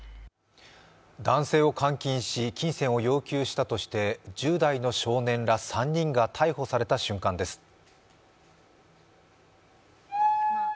男性を監禁し、金銭を要求したとして１０代の少年ら３人が逮捕された瞬間です。